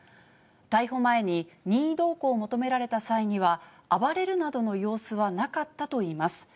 逮捕前に、任意同行を求められた際には、暴れるなどの様子はなかったといいます。